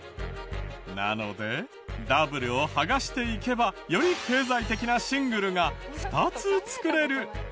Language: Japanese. なのでダブルを剥がしていけばより経済的なシングルが２つ作れる。